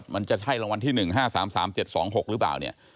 มันจะใช่รางวัลที่๑๕๓๓๗๒๖หรือเปล่าเนี่ย